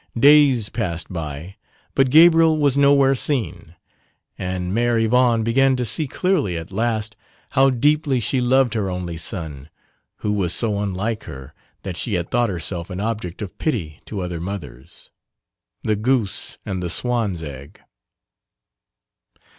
Days passed by but Gabriel was nowhere seen and Mère Yvonne began to see clearly at last how deeply she loved her only son, who was so unlike her that she had thought herself an object of pity to other mothers the goose and the swan's egg.